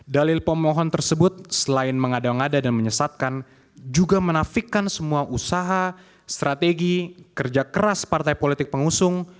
dalil pemohon tersebut selain mengada ngada dan menyesatkan juga menafikan semua usaha strategi kerja keras partai politik pengusung